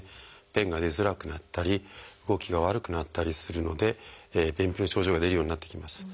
便が出づらくなったり動きが悪くなったりするので便秘の症状が出るようになってきます。